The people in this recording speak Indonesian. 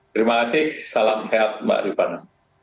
terima kasih salam sehat mbak rifana